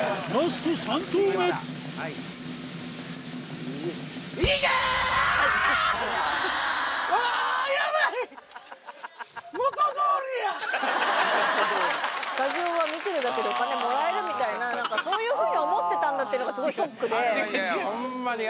スタジオは見てるだけでお金もらえるみたいななんかそういうふうに思ってたんだっていうのがスゴいショックで。